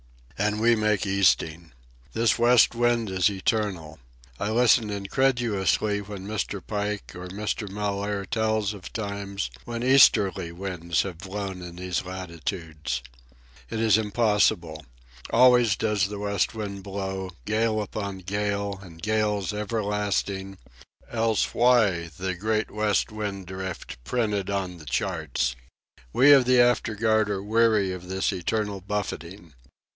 And we make easting! This west wind is eternal. I listen incredulously when Mr. Pike or Mr. Mellaire tells of times when easterly winds have blown in these latitudes. It is impossible. Always does the west wind blow, gale upon gale and gales everlasting, else why the "Great West Wind Drift" printed on the charts! We of the afterguard are weary of this eternal buffeting.